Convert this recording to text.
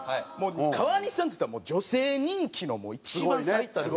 川西さんっていったらもう女性人気の一番最たる。